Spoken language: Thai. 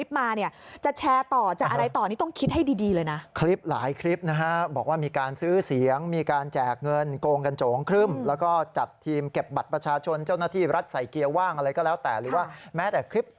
บางทีเราได้คลิปมาจะแชร์ต่อจะอะไรต่อนี่